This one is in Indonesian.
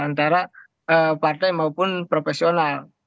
antara partai maupun profesional